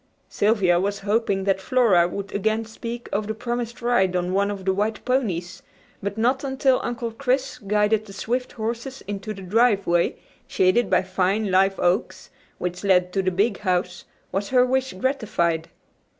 Sylvia was hoping that Flora would again speak of the promised ride on one of the white ponies, but not until Uncle Chris guided the swift horses into the driveway, shaded by fine live oaks, which led to the big house, was her wish gratified.